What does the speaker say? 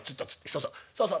そうそうそうそう